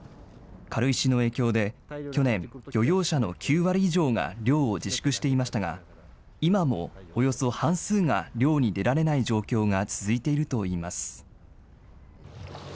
軽石の影響で、去年、漁業者の９割以上が漁を自粛していましたが、およそ半数が漁に出られない状況が続いているといいます。